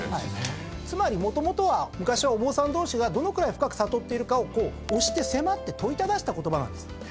つまりもともとは昔はお坊さん同士がどのくらい深く悟っているかを挨して拶って問いただした言葉なんです。